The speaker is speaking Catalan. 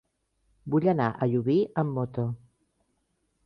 Vull anar a Llubí amb moto.